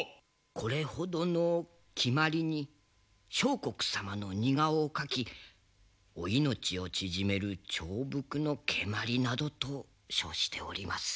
これほどの木鞠に相国様の似顔を描きお命を縮める調伏の蹴鞠などと称しております。